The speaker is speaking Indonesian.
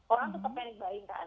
orang tetep canik baying kan